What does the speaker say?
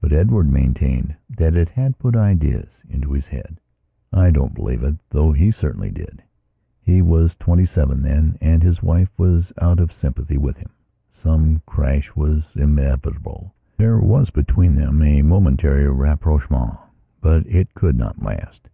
But Edward maintained that it had put ideas into his head. I don't believe it, though he certainly did. He was twenty seven then, and his wife was out of sympathy with himsome crash was inevitable. There was between them a momentary rapprochement; but it could not last.